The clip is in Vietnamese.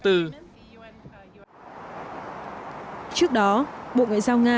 trước đó bộ ngoại giao nga